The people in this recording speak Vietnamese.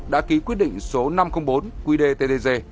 đã ký quyết định số năm trăm linh bốn qdttdg